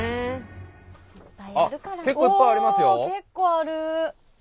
結構ある！